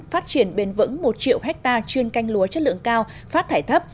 phát triển bền vững một triệu hectare chuyên canh lúa chất lượng cao phát thải thấp